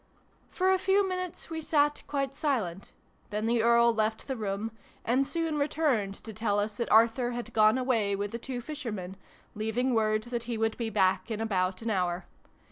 For a few minutes we sat quite silent : then the Earl left the room, and soon returned to XVH] TO THE RESCUE! 275 tell us that Arthur had gone away with the two fishermen, leaving word that he would be back in about an hour.